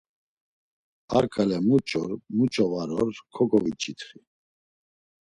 Ar ǩale muç̌or muç̌o var or kogovinç̌itxit.